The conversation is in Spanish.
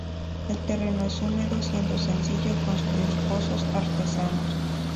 El terreno es húmedo, siendo sencillo construir pozos artesanos.